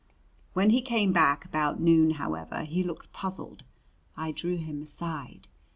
When he came back about noon, however, he looked puzzled. I drew him aside.